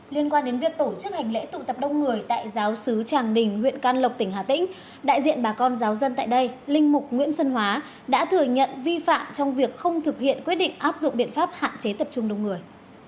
liên quan đến việc tổ chức hành lễ tụ tập đông người tại giáo sứ tràng đình huyện can lộc tỉnh hà tĩnh đại diện bà con giáo dân tại đây linh mục nguyễn xuân hóa đã thừa nhận vi phạm trong việc không thực hiện quyết định áp dụng biện pháp hạn chế tập trung đông người